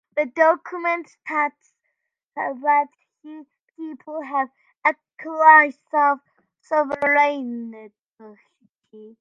The document states that the people have exclusive sovereignty.